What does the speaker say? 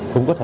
cũng có thể